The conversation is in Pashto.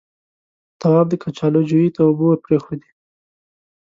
تواب د کچالو جويې ته اوبه پرېښودې.